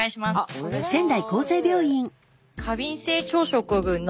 お願いします。